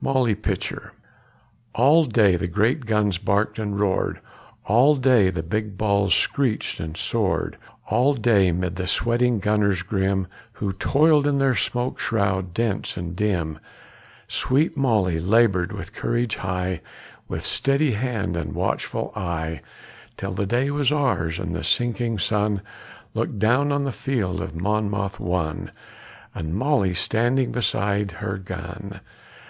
MOLLY PITCHER All day the great guns barked and roared; All day the big balls screeched and soared; All day, 'mid the sweating gunners grim, Who toiled in their smoke shroud dense and dim, Sweet Molly labored with courage high, With steady hand and watchful eye, Till the day was ours, and the sinking sun Looked down on the field of Monmouth won, And Molly standing beside her gun.